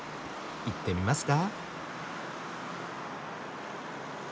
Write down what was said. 行ってみますか。